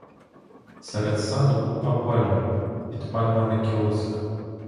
Серед саду купа пальм, під пальмами кіоск.